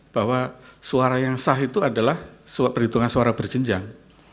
bahwa suara yang sah itu adalah perhitungan suara berjenjang